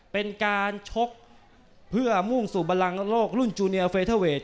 เป็นการชกเพื่อมุ่งสู่บันลังโลกรุ่นจูเนียลเฟเทอร์เวท